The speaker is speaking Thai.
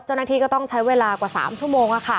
เจ้าหน้าที่ก็ต้องใช้เวลากว่า๓ชั่วโมง